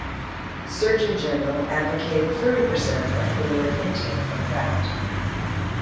Surgeon General advocate thirty percent of caloric intake from fat.